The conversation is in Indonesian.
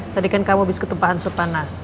tadi kan kamu habis ketumpahan sopanas